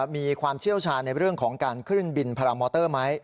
มีความเชี่ยวชาญในเรื่องของการขึ้นบินพารามอเตอร์ไหม